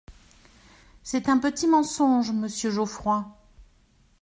C’est un petit mensonge, monsieur Geoffroy.